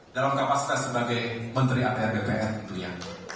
dalam kapasitas sebagai menteri apr bpr itu ya